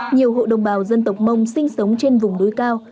nhiều hộ đồng bào dân tộc mông sinh sống trên vùng núi cao